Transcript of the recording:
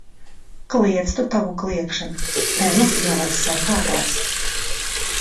Kliedz tu tavu kliegšanu! Te nu lielais sargātājs!